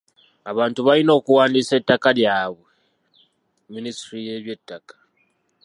Abantu balina okuwandiisa ettaka lyabwe minisitule y'ebyettaka.